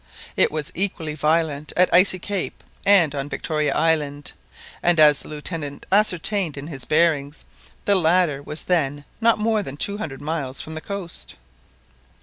It was equally violent at Icy Cape and on Victoria Island, and, as the Lieutenant ascertained in taking his bearings, the latter was then not more than two hundred miles from the coast.